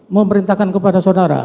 memerintahkan kepada saudara